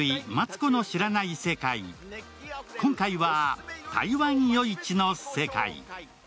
今回は「台湾夜市の世界」。